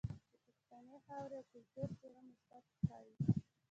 د پښتنې خاورې او کلتور څهره مثبت ښائي.